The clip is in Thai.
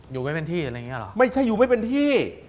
อยู่ไม่เป็นที่อยู่ไม่เป็นที่